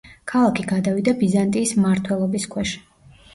ქალაქი გადავიდა ბიზანტიის მმართველობის ქვეშ.